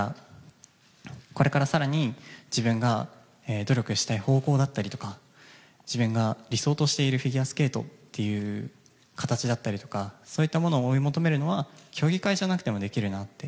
これから更に自分が努力をしたい方向だったりとか自分が理想としているフィギュアスケートという形だったりとかそういったものを追い求めるのは競技会じゃなくてもできるなと。